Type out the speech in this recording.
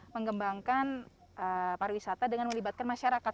mengembangkan pariwisata dengan melibatkan masyarakat